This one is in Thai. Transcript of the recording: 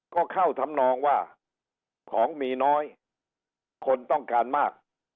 ก็เข้าทำนองว่าของมีน้อยคนต้องการมาก